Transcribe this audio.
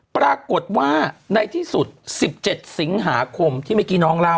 ปรากฏว่าในที่สุด๑๗สิงหาคมที่เมื่อกี้น้องเล่า